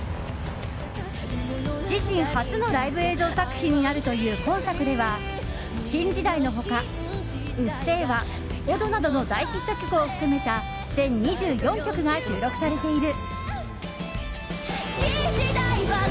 自身初のライブ映像作品になるという今作では「新時代」の他「うっせぇわ」「踊」などの大ヒット曲を含めた全２４曲が収録されている。